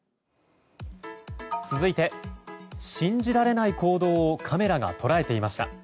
続いて信じられない行動をカメラが捉えていました。